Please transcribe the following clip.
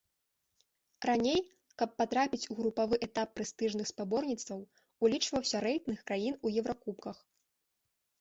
Раней, каб патрапіць у групавы этап прэстыжных спаборніцтваў, улічваўся рэйтынг краін у еўракубках.